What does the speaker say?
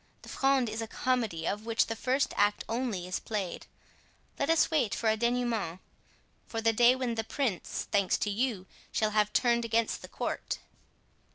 The Fronde is a comedy, of which the first act only is played. Let us wait for a dénouement—for the day when the prince, thanks to you, shall have turned against the court."